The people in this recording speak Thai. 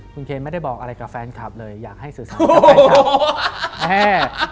คุณเคนไม่ได้บอกอะไรกับแฟนคลับเลยอยากให้สื่อสาวด้วยครับ